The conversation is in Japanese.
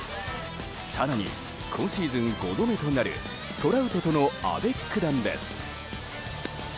更に、今シーズン５度目となるトラウトとのアベック弾です。